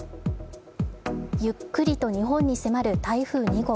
ゆっくりと日本に迫る台風２号。